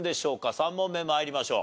３問目参りましょう。